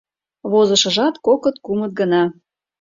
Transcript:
Возышыжат коктыт-кумыт гына...